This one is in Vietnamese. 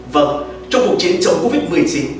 vâng trong cuộc chiến chống covid một mươi chín